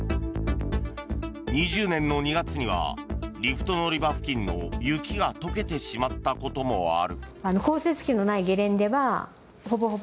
２０年の２月にはリフト乗り場付近の雪が解けてしまったこともある。